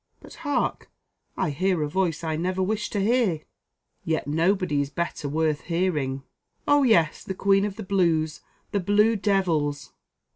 But, hark! I hear a voice I never wish to hear." "Yet nobody is better worth hearing " "Oh! yes, the queen of the Blues the Blue Devils!"